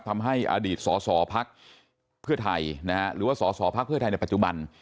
ทำให้อดีตสสพักเพื่อไทยนะฮะหรือว่าสอสอพักเพื่อไทยในปัจจุบัน